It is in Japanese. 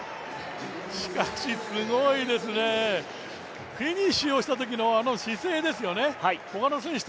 しかし、すごいですね、フィニッシュをしたときのあの姿勢ですよね。